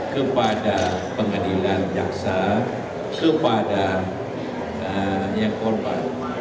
kepada pengadilan jaksa kepada yang korban